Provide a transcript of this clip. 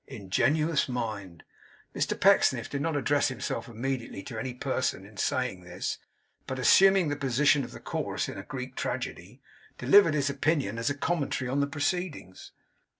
Ingenuous mind!' Mr Pecksniff did not address himself immediately to any person in saying this, but assuming the position of the Chorus in a Greek Tragedy, delivered his opinion as a commentary on the proceedings.